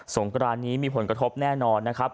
งกรานนี้มีผลกระทบแน่นอนนะครับ